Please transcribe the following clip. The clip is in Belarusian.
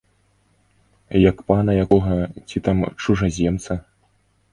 Як пана якога ці там чужаземца.